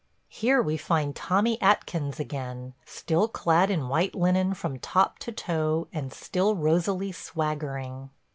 Here we find Tommy Atkins again, still clad in white linen from top to toe and still rosily swaggering.